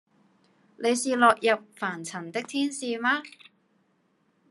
你是落入凡塵的天使嗎？